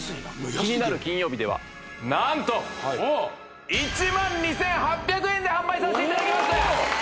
「キニナル金曜日」では何と１万２８００円で販売させていただきます！